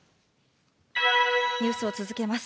ニュースを続けます。